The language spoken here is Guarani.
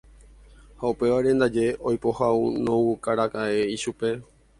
Ha upévare ndaje oipohãnoukáraka'e ichupe.